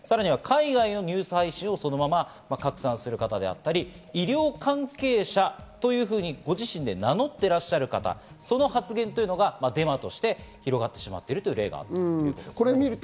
さらには海外のニュース配信をそのまま拡散する方だったり、医療関係者というふうにご自身で名乗ってらっしゃる方、その発言がデマとして広がってしまっているという例があると。